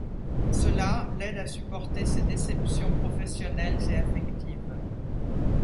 Cela l'aide à supporter ses déceptions professionnelles et affectives.